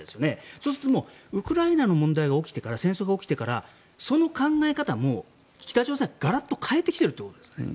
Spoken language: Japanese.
そうするとウクライナの問題が起きてから、戦争が起きてからその考え方も北朝鮮はガラッと変えてきているということですか？